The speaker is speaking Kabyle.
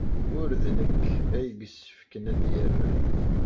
Ur d nekk ay yessefken ad d-yerr.